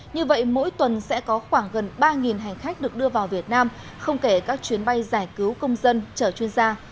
như vậy mỗi tuần sẽ có khoảng gần ba hành khách được đưa vào việt nam không kể các chuyến bay giải cứu công dân chở chuyên gia